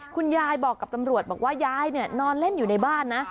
คุณยายบอกกับตำรวจพวกนี้นั่นเนี่ยนอนเล่นอยู่ในบ้านนะ